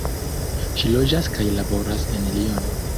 Ŝi loĝas kaj laboras en Liono.